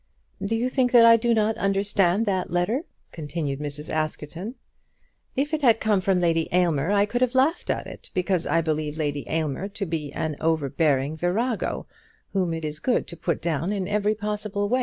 "Do you think I do not understand that letter?" continued Mrs. Askerton. "If it had come from Lady Aylmer I could have laughed at it, because I believe Lady Aylmer to be an overbearing virago, whom it is good to put down in every way possible.